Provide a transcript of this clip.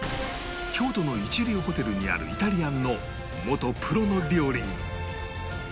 京都の一流ホテルにあるイタリアンの元プロの料理人